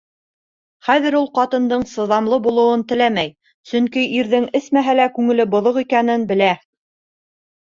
Хәҙер ул ҡатындың сыҙамлы булыуын теләмәй, сөнки ирҙең эсмәһә лә күңеле боҙоҡ икәнен белә.